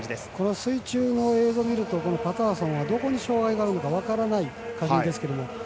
水中の映像を見るとパターソンはどこに障がいがあるのか分からない感じですけれども。